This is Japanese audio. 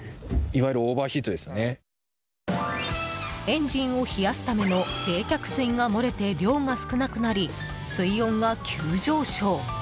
エンジンを冷やすための冷却水が漏れて量が少なくなり、水温が急上昇。